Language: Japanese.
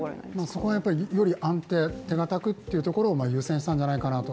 そこはより安定、手堅くというところを優先したんじゃないかなと。